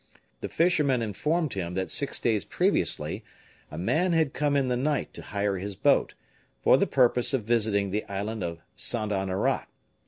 The fisherman informed him that six days previously, a man had come in the night to hire his boat, for the purpose of visiting the island of St. Honnorat.